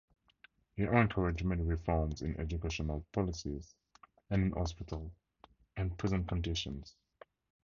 He encouraged many reforms in educational policies and in hospital and prison conditions.